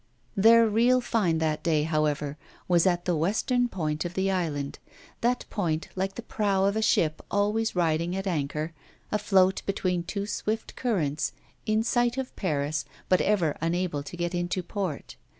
Their real find that day, however, was at the western point of the island, that point like the prow of a ship always riding at anchor, afloat between two swift currents, in sight of Paris, but ever unable to get into port.